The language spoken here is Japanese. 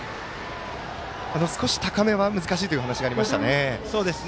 少し高めは難しいというお話がありましたね。